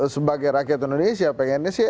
sebagai rakyat indonesia pengennya sih